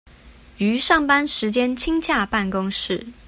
於上班時間親洽辦公室